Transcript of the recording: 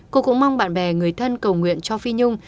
cô cũng mong bạn bè người thân cầu nguyện cho phi nhung